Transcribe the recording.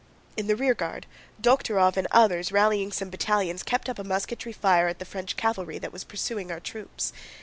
In the rearguard, Dokhtúrov and others rallying some battalions kept up a musketry fire at the French cavalry that was pursuing our troops.